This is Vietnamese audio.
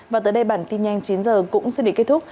và tới đây bản tin nhanh chín h cũng xin để kết thúc